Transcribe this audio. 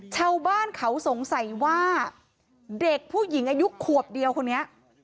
ชาวบ้านเขาสงสัยว่าเด็กผู้หญิงอายุขวบเดียวคนนี้